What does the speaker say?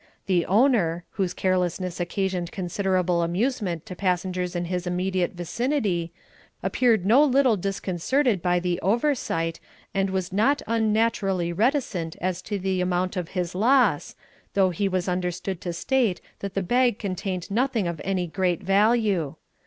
The owner (whose carelessness occasioned considerable amusement to passengers in his immediate vicinity) appeared no little disconcerted by the oversight, and was not unnaturally reticent as to the amount of his loss, though he was understood to state that the bag contained nothing of any great value.